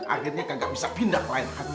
akhirnya gak bisa pindah pelayan hati